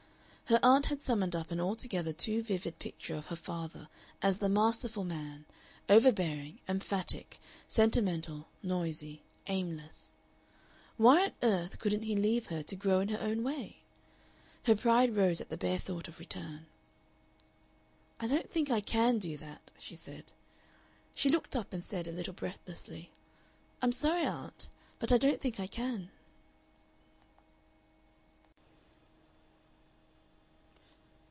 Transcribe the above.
Her aunt had summoned up an altogether too vivid picture of her father as the masterful man, overbearing, emphatic, sentimental, noisy, aimless. Why on earth couldn't he leave her to grow in her own way? Her pride rose at the bare thought of return. "I don't think I CAN do that," she said. She looked up and said, a little breathlessly, "I'm sorry, aunt, but I don't think I can."